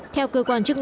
theo cơ quan chức năng